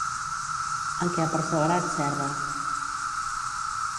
En què ha perseverat Serra?